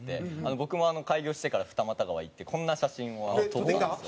僕も開業してから二俣川行ってこんな写真を撮ったんですよ。